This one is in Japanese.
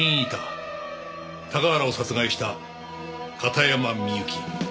高原を殺害した片山みゆき。